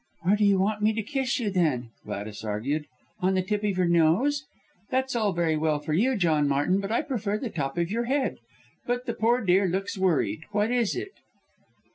"Where do you want me to kiss you, then?" Gladys argued, "on the tip of your nose? That's all very well for you, John Martin, but I prefer the top of your head. But the poor dear looks worried, what is it?"